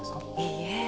いいえ。